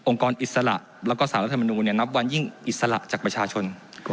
องค์กรอิสระและศาลรัฐมนุนเนี่ยนับวันยิ่งอิสระจากประชาชน